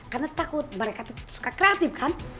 karena takut mereka suka kreatif kan